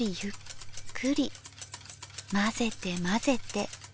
混ぜて混ぜて。